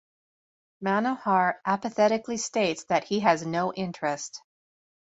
Manohar apathetically states that he has no interest.